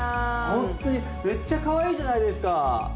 ほんっとにめっちゃかわいいじゃないですか！